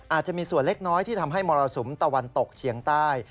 อาจจะมีส่วนเล็กน้อยที่ทำให้มรสุมตะวันตกเฉียงใต้